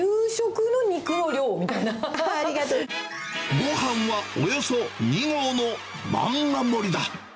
ごはんはおよそ２合の漫画盛りだ。